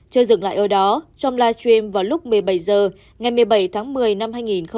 chơi dựng lại ở đó trong live stream vào lúc một mươi bảy h ngày một mươi bảy tháng một mươi năm hai nghìn hai mươi một